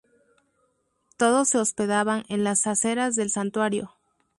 Todos se hospedaban en las aceras del santuario.